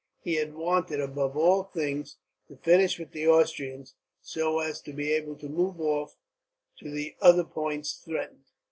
He had wanted, above all things, to finish with the Austrians; so as to be able to move off to the other points threatened.